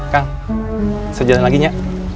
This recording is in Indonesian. kang sejalan lagi nya